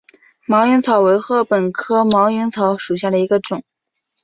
毛颖草为禾本科毛颖草属下的一个种。